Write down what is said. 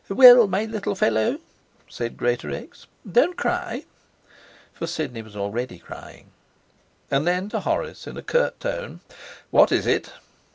'Well, my little fellow,' said Greatorex, 'don't cry.' (For Sidney was already crying.) And then to Horace, in a curt tone: 'What is it?'